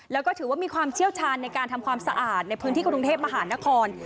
แล้วก็ถือว่ามีความเชี่ยวชาญในการทำความสะอาดในพื้นที่กรุงเทพมหานคร